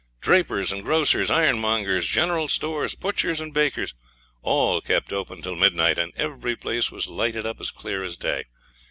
Drapers and grocers, ironmongers, general stores, butchers and bakers, all kept open until midnight, and every place was lighted up as clear as day.